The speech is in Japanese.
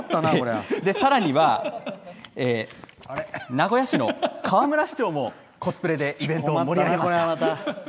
さらには、名古屋市の河村市長もコスプレでイベントを盛り上げました。